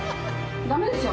ダメでしょ。